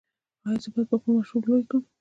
ایا زه به خپل ماشومان لوی کړم؟